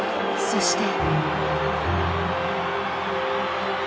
そして。